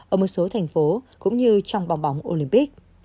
ở một số thành phố cũng như trong bóng bóng olympic